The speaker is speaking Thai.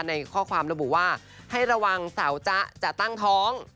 ในข้อความระบุว่าให้ระวังสาวจ๊ะจะตั้งท้อง